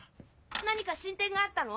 何か進展があったの？